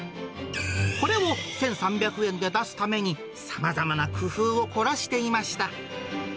これを１３００円で出すために、さまざまな工夫を凝らしていまし